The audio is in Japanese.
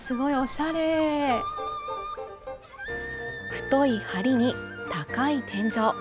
太いはりに、高い天井。